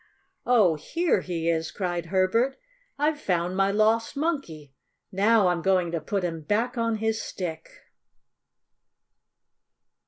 "Oh, here he is!" cried Herbert. "I've found my lost Monkey. Now I'm going to put him back on his stick!"